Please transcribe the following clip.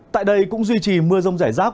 tại đây cũng duy trì mưa rông rẻ rác